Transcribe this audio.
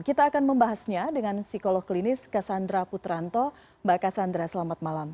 kita akan membahasnya dengan psikolog klinis cassandra putranto mbak kassandra selamat malam